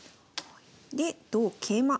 で同桂馬。